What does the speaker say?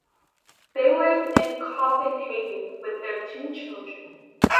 They live in Copenhagen with their two children.